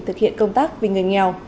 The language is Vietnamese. thực hiện công tác vì người nghèo